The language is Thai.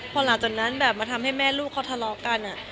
พอหลังจากนั้นแบบมาทำให้แม่ลูกเขาทะเลาะกัน